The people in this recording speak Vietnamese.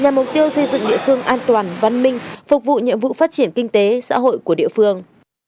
nhằm mục tiêu xây dựng địa phương an toàn văn minh phục vụ nhiệm vụ phát triển kinh tế xã hội của địa phương